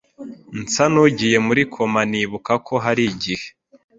nsa n’ugiye muri koma ndibuka ko hari igihe